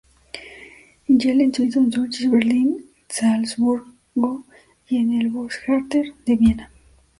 Gallen suizo, en Zurich, Berlín, Salzburgo y en el "Volkstheater" de Viena.